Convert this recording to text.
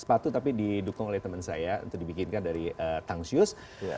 sepatu tapi didukung oleh teman saya untuk dibikinkan dari tangsius